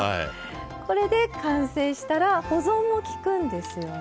これで完成したら保存もきくんですよね。